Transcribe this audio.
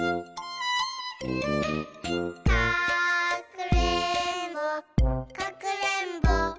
「かくれんぼかくれんぼ」